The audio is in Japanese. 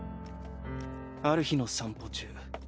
ある日の散歩中。